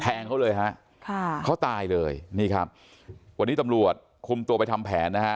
แทงเขาเลยฮะค่ะเขาตายเลยนี่ครับวันนี้ตำรวจคุมตัวไปทำแผนนะฮะ